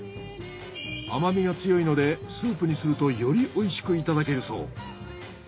甘みが強いのでスープにするとよりおいしくいただけるそう。